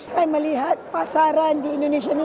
saya melihat pasaran di indonesia ini